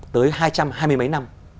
tới hai trăm hai mươi mấy năm